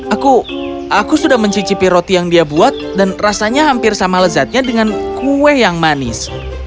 aku aku sudah mencicipi roti yang dia buat dan rasanya hampir sama lezatnya dengan kue yang manis